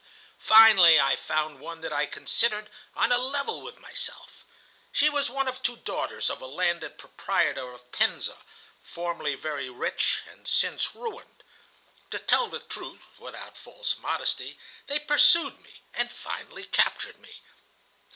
"Finally I found one that I considered on a level with myself. She was one of two daughters of a landed proprietor of Penza, formerly very rich and since ruined. To tell the truth, without false modesty, they pursued me and finally captured me.